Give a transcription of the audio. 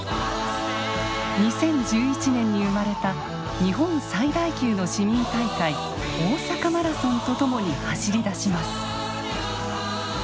２０１１年に生まれた日本最大級の市民大会大阪マラソンと共に走り出します。